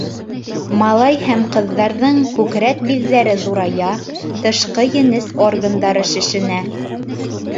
Малай һәм ҡыҙҙарҙың күкрәк биҙҙәре ҙурая, тышҡы енес органдары шешенә.